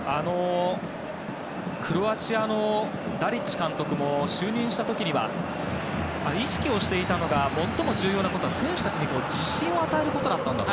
クロアチアのダリッチ監督も就任した時には最も意識をしていたのが重要だったのは、選手たちに自信を与えることだったんだと。